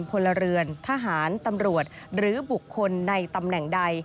พลเรือนทหารตำรวจหรือบุคคลในตำแหน่งใด